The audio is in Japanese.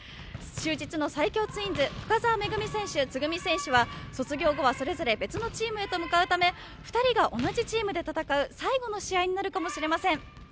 就実の最強ツインズ深澤めぐみ選手、つぐみ選手は卒業後はそれぞれ別のチームへと向かうため２人が同じチームで戦う最後の試合になるかもしれません。